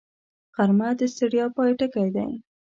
غرمه د ستړیا پای ټکی دی